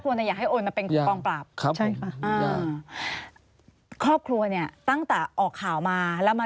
ผู้ยังรอรอให้ทางพื้นที่หมดรวมหลักฐานมาภายใน๓วัน